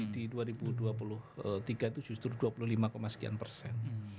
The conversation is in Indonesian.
di dua ribu dua puluh tiga itu justru dua puluh lima sekian persen